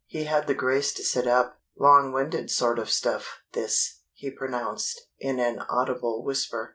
He had the grace to sit up. "Long winded sort of stuff, this," he pronounced, in an audible whisper.